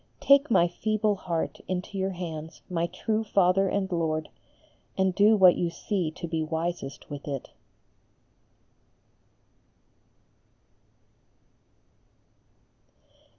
Take my feeble heart into your hands, my true Father and Lord, and do what you see to be wisest with it.